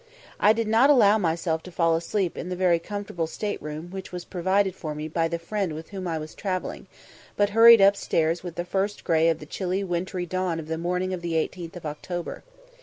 I did not allow myself to fall asleep in the very comfortable state room which was provided for me by the friend with whom I was travelling, but hurried upstairs with the first grey of the chilly wintry dawn of the morning of the 18th of October.